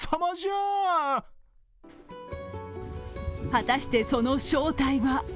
果たして、その正体は？